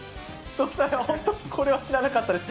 本当にこれは知らなかったです。